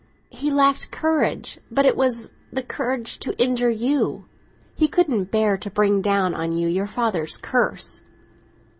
"He lacked courage, but it was the courage to injure you! He couldn't bear to bring down on you your father's curse."